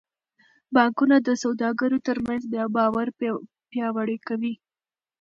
بانکونه د سوداګرو ترمنځ باور پیاوړی کوي.